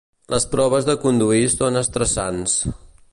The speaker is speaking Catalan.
Les proves de conduir són estressants.